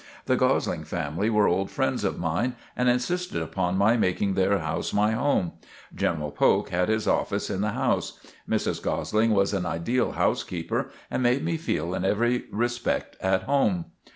The Gosling family were old friends of mine and insisted upon my making their house my home. General Polk had his office in the house. Mrs. Gosling was an ideal housekeeper and made me feel in every respect at home.